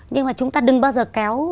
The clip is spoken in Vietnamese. nhưng mà chúng ta đừng bao giờ kéo